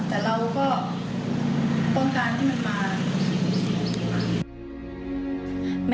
แต่เราก็ต้องการที่มันมา